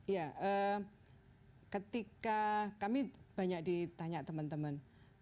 ya ketika kami banyak ditanya teman teman